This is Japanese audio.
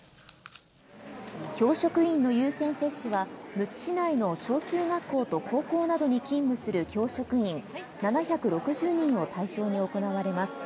教職員の優先接種は、むつ市内の小中学校と高校などに勤務する教職員７６０人を対象に行われます。